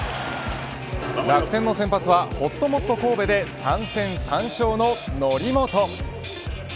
楽天の先発はほっともっと神戸で３戦３勝の則本。